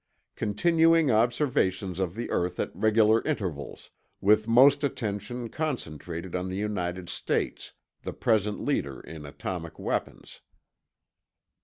Continuing observations of the earth at regular intervals, with most attention concentrated on the United States, the present leader in atomic weapons.